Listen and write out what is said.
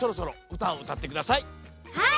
はい！